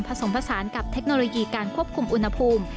ผสมผสานกับเทคโนโลยีการควบคุมอุณหภูมิ